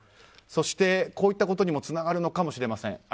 そして、こういったことにもつながるのかもしれません。